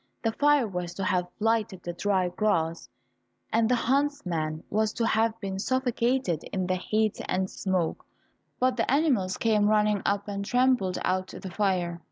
The fire was to have lighted the dry grass, and the huntsman was to have been suffocated in the heat and smoke, but the animals came running up and trampled out the fire.